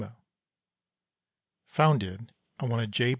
_ FOUNDED ON ONE OF J.